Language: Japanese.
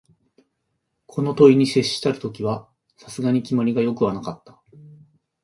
この問に接したる時は、さすがに決まりが善くはなかった